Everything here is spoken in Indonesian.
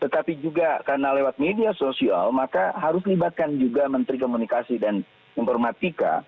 tetapi juga karena lewat media sosial maka harus melibatkan juga menteri komunikasi dan informatika